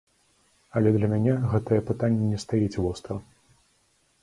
Але для мяне гэтае пытанне не стаіць востра.